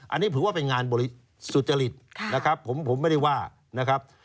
อันนี้ถือว่าเป็นงานบริสุจริตนะครับผมไม่ได้ว่านะครับ